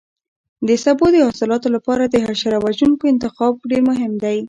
د سبو د حاصلاتو لپاره د حشره وژونکو انتخاب ډېر مهم دی.